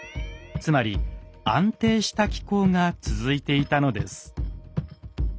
つまり安定した気候が続いていたのです。